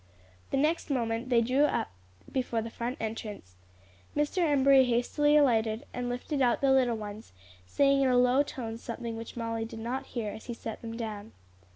The next moment they drew up before the front entrance. Mr. Embury hastily alighted and lifted out the little ones, saying in a low tone something which Molly did not hear as he set them down.